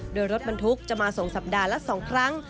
โดยรถบรรทุกจะมาส่งสัปดาห์ละ๒ครั้ง